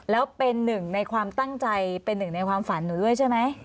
แล้วเป็นหนึ่งในความตั้งใจเป็นหนึ่งในความฝันหนูด้วยใช่ไหม